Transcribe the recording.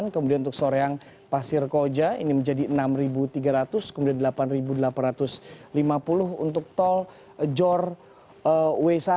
kemudian untuk soreang pasir koja ini menjadi rp enam tiga ratus kemudian delapan delapan ratus lima puluh untuk tol jor w satu